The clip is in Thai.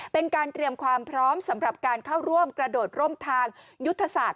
เป็นการเตรียมความพร้อมสำหรับการเข้าร่วมกระโดดร่มทางยุทธศาสตร์